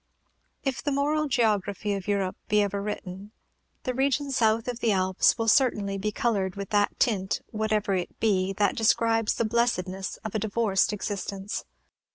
If the moral geography of Europe be ever written, the region south of the Alps will certainly be colored with that tint, whatever it be, that describes the blessedness of a divorced existence.